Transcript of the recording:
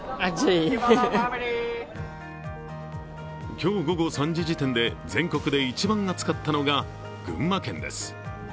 今日午後３時時点で全国で一番暑かったのが群馬県です。